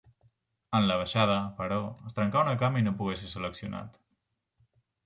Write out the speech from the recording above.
En la baixada, però, es trencà una cama i no pogué ser seleccionat.